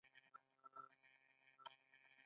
انعامونه ترلاسه کول.